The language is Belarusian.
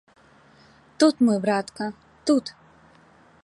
Тут, мой братка, тут!